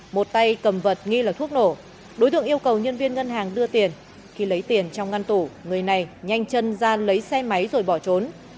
một tay cầm vật nghi là thuốc nổ đối tượng yêu cầu nhân viên ngân hàng đưa tiền khi lấy tiền trong ngăn tủ người này nhanh chân ra lấy xe máy rồi bỏ trốn